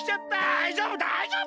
だいじょうぶだいじょうぶ！